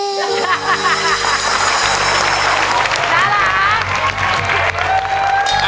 ขอบคุณค่ะ